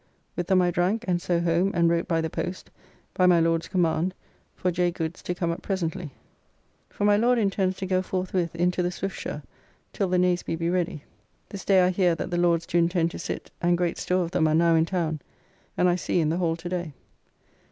With them I drank, and so home and wrote by the post, by my Lord's command, for J. Goods to come up presently. For my Lord intends to go forthwith into the Swiftsure till the Nazeby be ready. This day I hear that the Lords do intend to sit, and great store of them are now in town, and I see in the Hall to day.